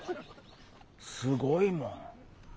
すごいもん。